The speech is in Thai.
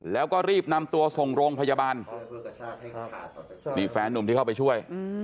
แล้วก็รีบนำตัวส่งโรงพยาบาลนี่แฟนนุ่มที่เข้าไปช่วย